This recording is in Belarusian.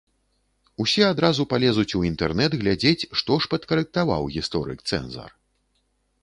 Усе адразу палезуць у інтэрнэт глядзець, што ж падкарэктаваў гісторык-цэнзар.